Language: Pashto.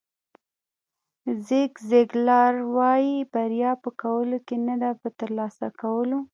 زیګ زیګلار وایي بریا په کولو کې ده نه په ترلاسه کولو.